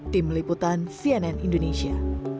tim liputan cnn indonesia